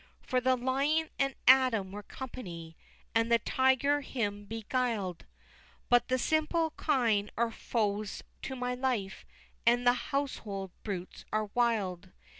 XXXV. For the lion and Adam were company, And the tiger him beguil'd; But the simple kine are foes to my life, And the household brutes are wild.